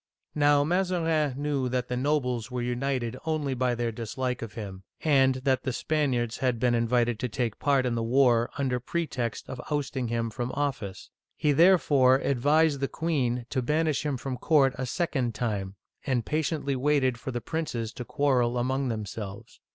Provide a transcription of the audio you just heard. Now Mazarin knew that the nobles were united only by their dislike of him, and that the Spaniards had been in vited to take part in the war under pretext of ousting him from office. He therefore advised the queen to banish him from court a second time, and patiently waited for the princes to quarrel among themselves.